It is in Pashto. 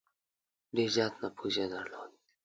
ډېر زیات نفوذ یې درلود.